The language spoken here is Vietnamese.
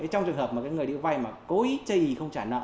trong trường hợp mà người đi vay mà cố ý chây ý không trả nợ